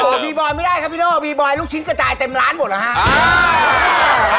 บีบอยไม่ได้ครับพี่โน่บีบอยลูกชิ้นกระจายเต็มร้านหมดเหรอฮะ